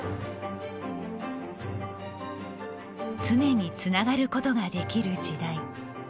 常につながることができる時代。